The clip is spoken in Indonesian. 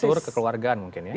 ketutur kekeluargaan mungkin ya